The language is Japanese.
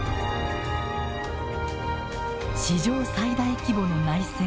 史上最大規模の内戦。